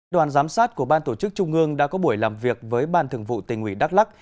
đoàn giám sát của ban tổ chức trung ương đã có buổi làm việc với ban thường vụ tỉnh ủy đắk lắc